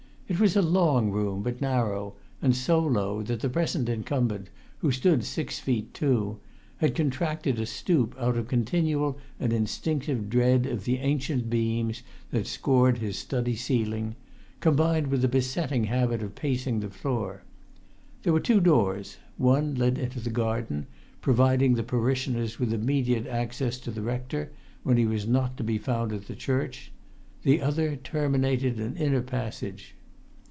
It was a long room, but narrow, and so low that the present incumbent, who stood six feet two, had contracted a stoop out of continual and instinctive dread of the ancient beams that scored his study ceiling, combined with a besetting habit of pacing the floor. There were two doors; one led into the garden, providing parishioners with immediate access to the rector when he was not to be found at the church; the other terminated an inner passage.